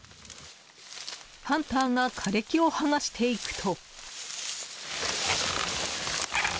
ハンターが枯れ木を剥がしていくと。